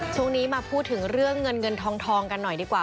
ช่วงนี้มาพูดถึงเรื่องเงินเงินทองกันหน่อยดีกว่า